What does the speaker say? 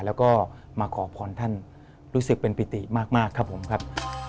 แล้วก็มาขอพรท่านรู้สึกเป็นปิติมากครับผมครับ